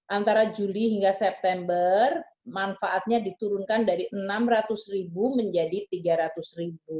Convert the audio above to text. antara juli hingga september manfaatnya diturunkan dari rp enam ratus menjadi rp tiga ratus